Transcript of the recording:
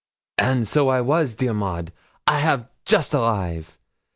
'And so I was, dear Maud; I 'av just arrive.